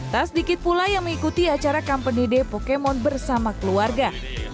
tak sedikit pula yang mengikuti acara company day pokemon bersama keluarga